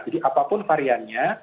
jadi apapun variannya